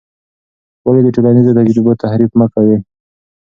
ولې د ټولنیزو تجربو تحریف مه کوې؟